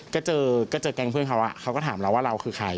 ก็เจอก็เจอแก๊งเพื่อนเขาเขาก็ถามเราว่าเราคือใคร